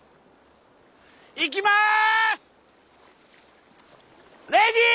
いきます！